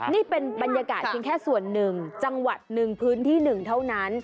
นี่เป็นบรรยากาศเพียงแค่ส่วนหนึ่งจังหวัดหนึ่งพื้นที่หนึ่งเท่านั้น